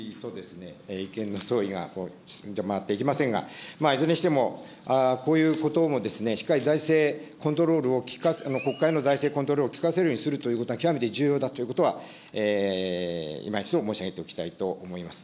意見の相違がいきませんが、いずれにしても、こういうこともしっかり財政コントロールを、国会の財政コントロールを利かせるようにするということは、極めて重要だということは、いま一度申し上げておきたいと思います。